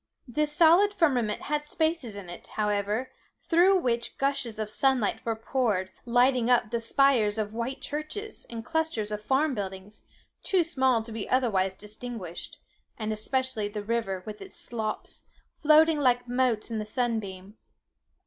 This solid firmament had spaces in it, however, through which gushes of sun light were poured, lighting up the spires of white churches, and clusters of farm buildings, too small to be otherwise distinguished; and especially the river, with its sloops, floating like motes in the sun beam.